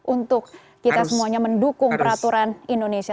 untuk kita semuanya mendukung peraturan indonesia